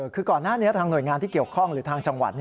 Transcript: คือก่อนหน้านี้ทางหน่วยงานที่เกี่ยวข้องหรือทางจังหวัด